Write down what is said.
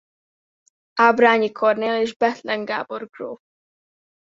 Ábrányi Kornél és Bethlen Gábor gróf.